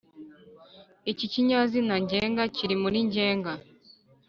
iki kinyazina ngenga kiri muri ngenga